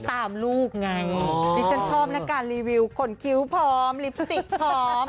ตามลูกไงดิฉันชอบนะการรีวิวขนคิ้วพร้อมลิปสติกพร้อม